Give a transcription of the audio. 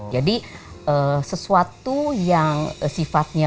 jadi sesuatu yang sifatnya